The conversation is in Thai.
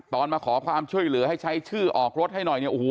มาขอความช่วยเหลือให้ใช้ชื่อออกรถให้หน่อยเนี่ยโอ้โห